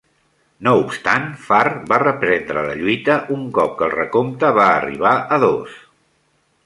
No obstant, Farr va reprendre la lluita un cop que el recompte va arribar a dos.